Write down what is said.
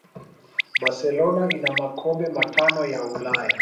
barcelona ina makombe matano ya ulaya